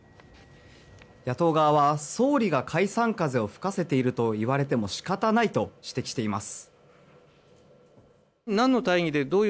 野党側は、総理が解散風を吹かせているといわれても仕方ないと指摘しています。